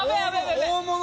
大物！